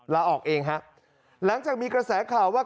ลาออกเองฮะหลังจากมีกระแสข่าวว่า